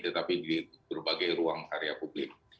tetapi di berbagai ruang area publik